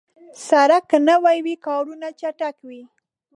سړک که نوي وي، کارونه چټک وي.